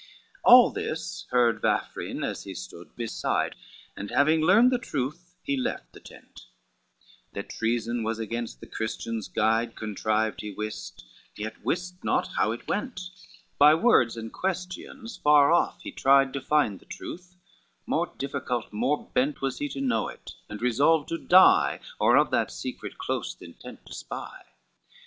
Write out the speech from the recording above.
LXXV All this heard Vafrine as he stood beside, And having learned the truth, he left the tent, That treason was against the Christian's guide Contrived, he wist, yet wist not how it went, By words and questions far off, he tried To find the truth; more difficult, more bent Was he to know it, and resolved to die, Or of that secret close the intent to spy.